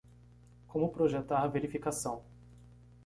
Como projetar verificação